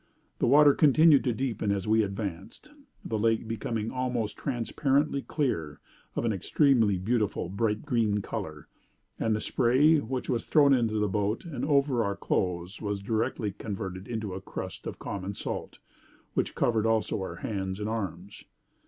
The water continued to deepen as we advanced; the lake becoming almost transparently clear, of an extremely beautiful bright green color; and the spray, which was thrown into the boat and over our clothes, was directly converted into a crust of common salt, which covered also our hands and arms.